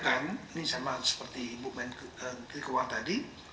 ini sama seperti buku main keuangan tadi